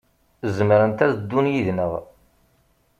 Zemrent ad ddun yid-neɣ.